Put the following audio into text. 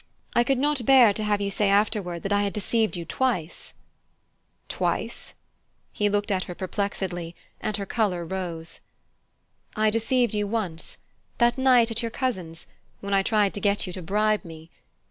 I could not bear to have you say afterward that I had deceived you twice." "Twice?" He looked at her perplexedly, and her colour rose. "I deceived you once that night at your cousin's, when I tried to get you to bribe me.